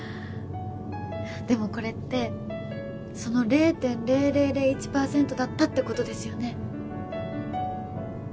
でもこれってその０．０００１パーセントだったってことですよね